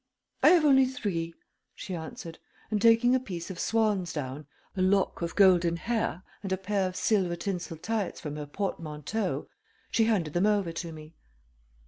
"I have only three," she answered, and taking a piece of swan's down, a lock of golden hair, and a pair of silver tinsel tights from her portmanteau she handed them over to me.